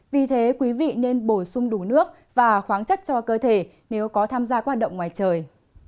vì thế quý vị nên bổ sung đủ nước và khoáng chất cho cơ thể nếu có tham gia hoạt động ngoài trời